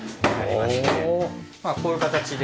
まあこういう形で。